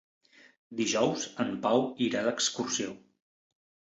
Dijous en Pau irà d'excursió.